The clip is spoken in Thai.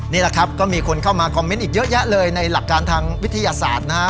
นี่แหละครับก็มีคนเข้ามาคอมเมนต์อีกเยอะแยะเลยในหลักการทางวิทยาศาสตร์นะฮะ